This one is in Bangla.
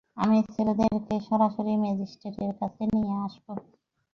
আমি ছেলেদেরকে সরাসরি ম্যাজিস্ট্রেটের কাছে নিয়ে আসব।